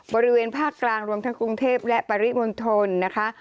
บริเวณภาคกลางรวมทั้งกรุงเทพและปริมณฑลนะคะ